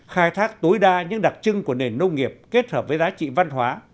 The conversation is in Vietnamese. khai thác tối đa những đặc trưng của nền nông nghiệp kết hợp với giá trị văn hóa